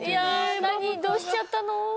何⁉どうしちゃったの？